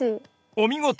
お見事！